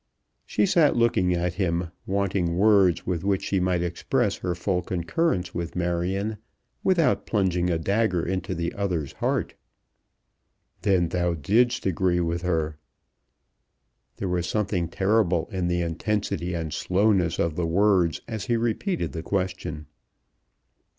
She sat looking at him, wanting words with which she might express her full concurrence with Marion without plunging a dagger into the other's heart. "Then thou didst agree with her?" There was something terrible in the intensity and slowness of the words as he repeated the question.